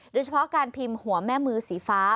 โดยเฉพาะการพิมพ์หัวแม่มือสีฟ้า